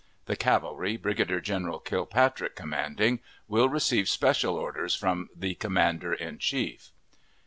The cavalry, Brigadier General Kilpatrick commanding, will receive special orders from the commander in chief.